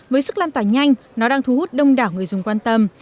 với sức lan tỏa nhanh nó đang thu hút đông đảo người dùng quan tâm